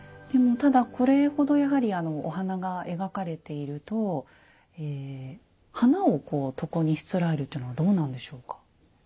ただこれほどやはりお花が描かれていると花を床にしつらえるというのはどうなんでしょうか？